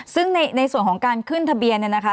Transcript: ซึ่งในส่วนของการขึ้นทะเบียนเนี่ยนะคะ